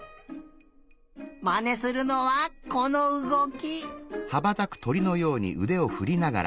まねするのはこのうごき。